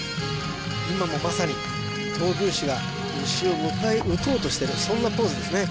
今もまさに闘牛士が牛を迎え撃とうとしてるそんなポーズですね